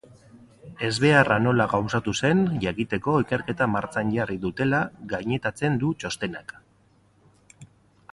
Ezbeharra nola gauzatu zen jakiteko ikerketa martxan jarri dutela gainetatzen du txostenak.